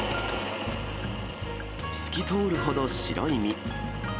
透き通るほど白い身。